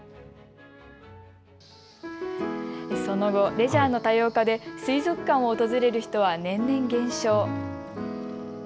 その後、レジャーの多様化で水族館を訪れる人は年々減少。